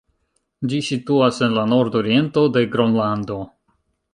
Ĝi situas en la nord-oriento de Gronlando.